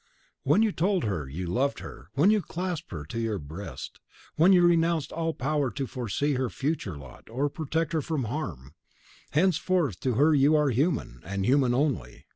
"When you told her you loved her, when you clasped her to your breast, you renounced all power to foresee her future lot, or protect her from harm. Henceforth to her you are human, and human only.